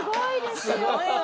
すごいわ。